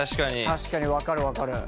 確かに分かる分かる。